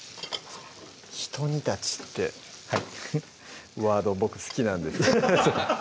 ひと煮立ちってワード僕好きなんです